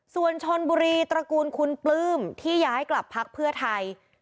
ส่วนชนบุรีตระกูลคุณปลื้มที่ย้ายกลับพักเพื่อไทย